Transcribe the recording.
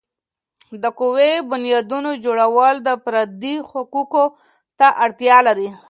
د قوي بنیادونو جوړول د فردي حقوقو ته اړتیا لري.